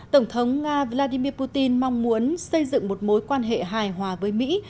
tổng thống nga vladimir putin mong muốn xây dựng một mối quan hệ hài hòa với mỹ